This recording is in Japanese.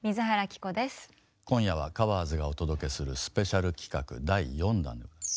今夜は「カバーズ」がお届けするスペシャル企画第４弾。